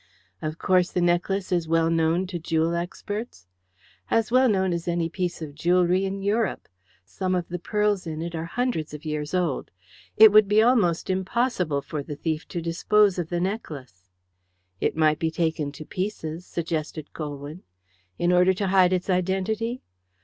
"Of course the necklace is well known to jewel experts?" "As well known as any piece of jewellery in Europe. Some of the pearls in it are hundreds of years old. It would be almost impossible for the thief to dispose of the necklace." "It might be taken to pieces," suggested Colwyn. "In order to hide its identity?